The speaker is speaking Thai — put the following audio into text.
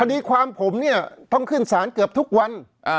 ดีความผมเนี่ยต้องขึ้นศาลเกือบทุกวัน